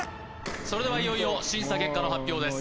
それではいよいよ審査結果の発表です